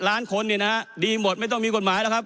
ล้านคนเนี่ยนะฮะดีหมดไม่ต้องมีกฎหมายแล้วครับ